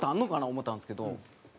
思うたんですけど。